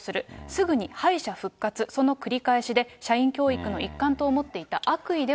すぐに敗者復活、その繰り返しで、社員教育の一環と思っていた。